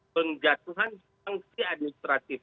penjatuhan sanksi administratif